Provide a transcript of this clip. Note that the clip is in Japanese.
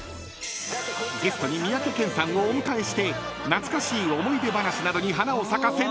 ［ゲストに三宅健さんをお迎えして懐かしい思い出話などに花を咲かせ盛り上がった回］